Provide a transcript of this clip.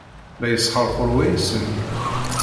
La yesxerxur wayis-nni.